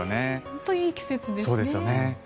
本当にいい季節ですね。